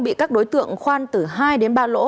bị các đối tượng khoan từ hai đến ba lỗ